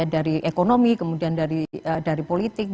dari ekonomi kemudian dari politik